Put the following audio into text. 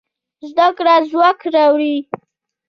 زده کړه ځواک راوړي.